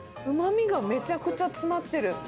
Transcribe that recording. うまみがめちゃくちゃ詰まってる。